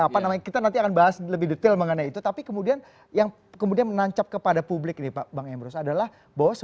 kita akan nanti bahas lebih detail soal itu tapi yang kemudian menancap kepada publik ini adalah bahwa sebenarnya setelah ini binari dengan uud yang lama oke